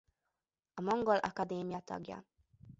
A Mongol Akadémia tagja.